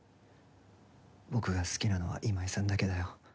僕が好きなのは今井さんだけだよ。